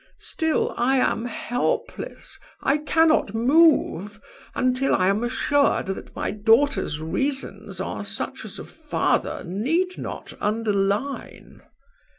Still, I am helpless, I cannot move, until I am assured that my daughter's reasons are such as a father need not underline."